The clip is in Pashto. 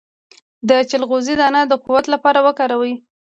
د چلغوزي دانه د قوت لپاره وکاروئ